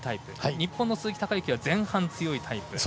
日本の鈴木孝幸は前半強いタイプ。